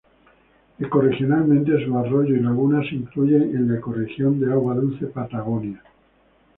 Ecorregionalmente sus arroyos y lagunas se incluyen en la ecorregión de agua dulce Patagonia.